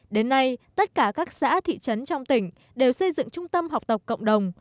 đến nay tất cả các xã thị trấn trong tỉnh đều xây dựng trung tâm học tập cộng đồng